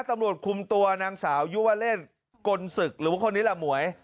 ตำรวจคุมตัวนางสาวยุวเล่นกลศึกหรือว่าคนนี้ล่ะหมวย